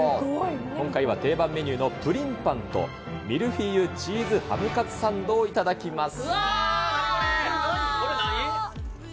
今回は定番メニューのプリンパンと、ミルフィーユチーズハムカツサンドを頂きます。